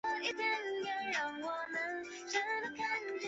没有金科绿玉的教科书，不做颐使气指的教师爷